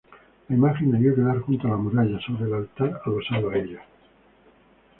La imagen debió quedar junto a la muralla, sobre el altar adosado a ella.